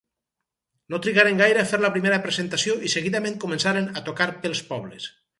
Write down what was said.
No trigaren gaire a fer la primera presentació i seguidament començaren a tocar pels pobles.